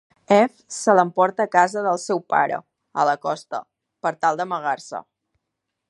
Eve se l'emporta a casa del seu pare, a la costa, per tal d'amagar-se.